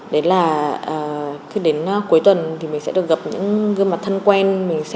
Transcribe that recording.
đấy là đến cuối tuần thì mình sẽ được gặp những gương mặt thân quen